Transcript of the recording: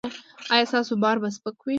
ایا ستاسو بار به سپک وي؟